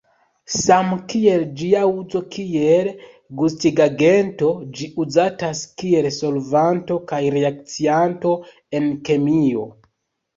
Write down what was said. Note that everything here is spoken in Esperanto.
Samkiel ĝia uzo kiel gustigagento, ĝi uzatas kiel solvanto kaj reakcianto en kemio.